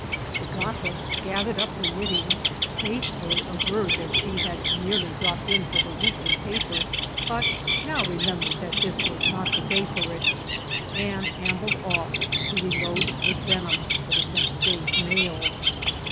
The gossip gathered up her knitting, hastily averred that she had merely dropped in for her weekly paper, but now remembered that this was not the day for it, and ambled off, to reload with venom for the next day's mail.